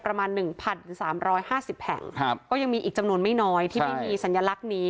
ประมาณ๑๓๕๐แห่งก็ยังมีอีกจำนวนไม่น้อยที่ไม่มีสัญลักษณ์นี้